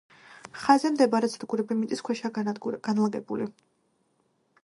ხაზზე მდებარე სადგურები მიწის ქვეშაა განლაგებული.